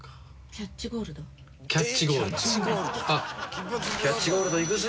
キャッチゴールドいくぜ！